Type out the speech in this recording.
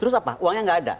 terus apa uangnya nggak ada